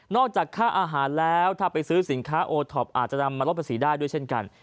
จากค่าอาหารแล้วถ้าไปซื้อสินค้าโอท็อปอาจจะนำมาลดภาษีได้ด้วยเช่นกัน